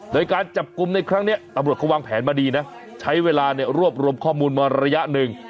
โดยการจับกลุ่มในครั้งนี้ตำรวจเขาวางแผนมาดีนะใช้เวลาเนี่ยรวบรวมข้อมูลมาระยะหนึ่ง